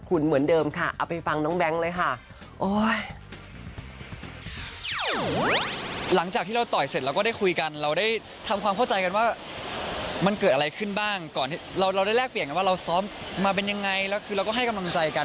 อื้มทั้งสองคนเลยนะบู๊ดไม่รู้เรื่องอะไรนะคะ